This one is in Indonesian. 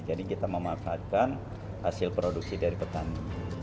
jadi kita memanfaatkan hasil produksi dari petani